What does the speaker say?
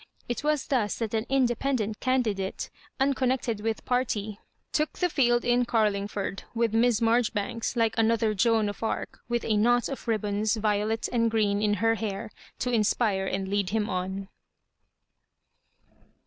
It was thus that an independent candidate, unconnected with party, took the field in Oarlingford, with Miss Marjori banks, like another Joan of Arc, with a knot of ribbons, violet and green, in her hair, to mspire and lead him on.